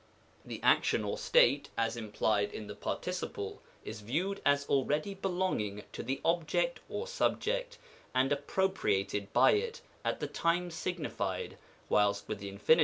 The action or state, as implied in the participle, is viewed as already belonging to the object or subject, and appropriated by it at the time signified ; whilst with the Infin.